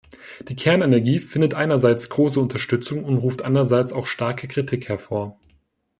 Die Kernenergie findet einerseits große Unterstützung und ruft andererseits auch starke Kritik hervor.